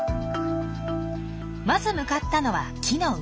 まず向かったのは木の上。